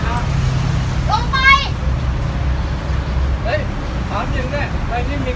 หลงไปได้